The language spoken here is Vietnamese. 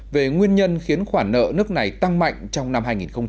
về nguyên nhân khiến khoản nợ nước này tăng mạnh trong năm hai nghìn một mươi chín